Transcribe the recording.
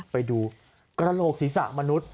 ไปดูกระโหลกศีรษะมนุษย์